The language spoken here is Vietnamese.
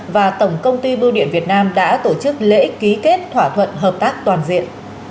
và tổng công ty bưu điện việt nam đã tổ chức lễ ký kết thỏa thuận hợp tác toàn diện